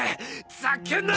ざけんな！！